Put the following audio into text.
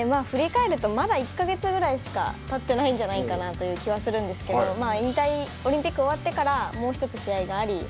振り返るとまだ１か月ぐらいしかたっていないんじゃないかなという気はするんですがオリンピック終わってからもう一つ試合があり